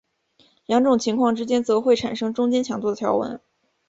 两种情况之间则会产生中间强度的条纹。